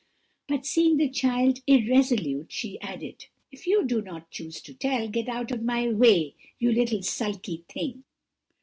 But seeing the child irresolute, she added, 'If you do not choose to tell, get out of my way, you little sulky thing.'